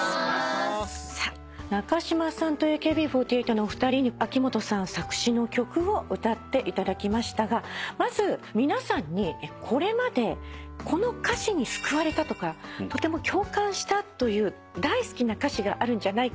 中島さんとＡＫＢ４８のお二人に秋元さん作詞の曲を歌っていただきましたがまず皆さんにこれまでこの歌詞に救われたとかとても共感したという大好きな歌詞があると思います。